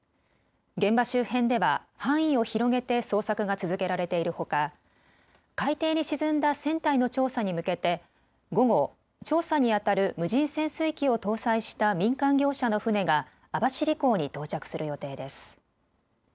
現場周辺では範囲を広げて捜索が続けられているほか海底に沈んだ船体の調査に向けて午後、調査にあたる無人潜水機を搭載した民間業者の船が網走港に到着する予定です。